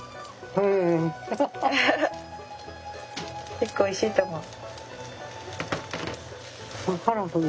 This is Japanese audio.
結構おいしいと思う。